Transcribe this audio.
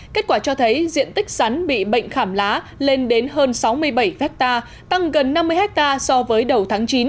kết quả cho thấy diện tích sắn bị bệnh khảm lá lên đến hơn sáu mươi bảy hectare tăng gần năm mươi hectare so với đầu tháng chín